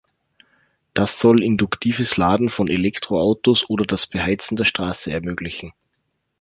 Das soll induktives Laden von Elektroautos oder das Beheizen der Straße ermöglichen.